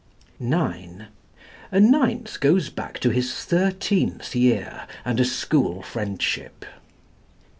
(9) A ninth goes back to his thirteenth year, and a school friendship.